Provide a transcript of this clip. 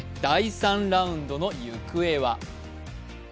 第３ラウンドの行方は？